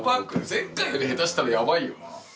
前回より下手したらやばいよな。